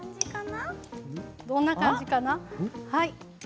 どんな感じかな。